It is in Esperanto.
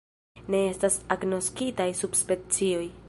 Ne estas agnoskitaj subspecioj.